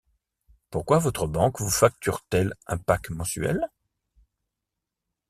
Pourquoi votre banque vous facture-t-elle un pack mensuel ?